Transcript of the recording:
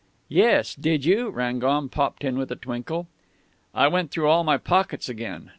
"'Yes; did you?' Rangon popped in with a twinkle. "I went through all my pockets again.